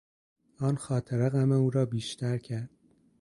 آن خاطره غم او را بیشتر کرد.